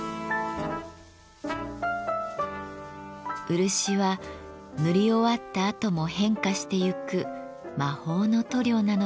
漆は塗り終わったあとも変化してゆく魔法の塗料なのだとか。